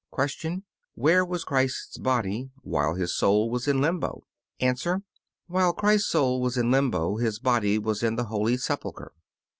Q. Where was Christ's body while His soul was in Limbo? A. While Christ's soul was in Limbo His body was in the holy sepulchre.